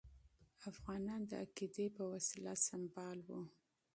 افغانان د عقیدې په وسله سمبال وو.